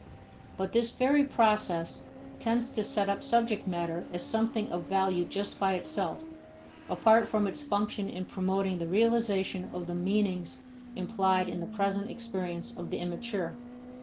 But this very process tends to set up subject matter as something of value just by itself, apart from its function in promoting the realization of the meanings implied in the present experience of the immature.